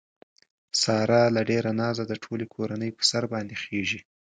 ساره له ډېره نازه د ټولې کورنۍ په سر باندې خېژي.